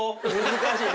難しい！